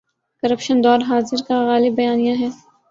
Corruption دور حاضر کا غالب بیانیہ ہے۔